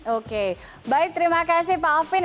oke baik terima kasih pak alvin